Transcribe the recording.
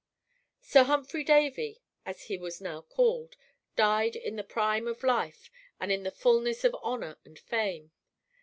Sir Humphry Davy, as he was now called, died in the prime of life and in the fulness of honor and fame.